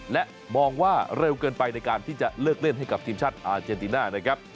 และมองว่าเร็วเกินไปในการที่จะเลิกเล่นให้กับทีมชาติอาเจนติน่านะครับ